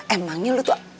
emangnya lu tuh